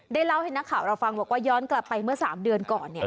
ได้เล่าให้นักข่าวเราฟังว่าก็ย้อนกลับไปเมื่อ๓เดือนก่อนเนี่ย